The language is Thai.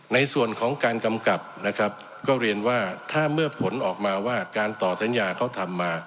ในส่วนของการกำกับนะครับก็เรียนว่าถ้าเมื่อผลออกมาว่าการต่อสัญญาเขาทำมา